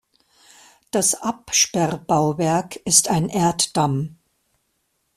Das Absperrbauwerk ist ein Erddamm.